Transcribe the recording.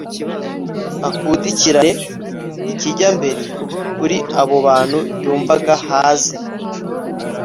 akudikirane ikijya mbere kuri abo bantu yumvaga haze